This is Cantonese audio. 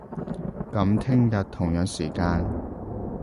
噉聽日，同樣時間